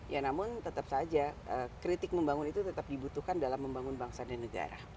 ya namun tetap saja kritik membangun itu tetap dibutuhkan dalam membangun bangsa dan negara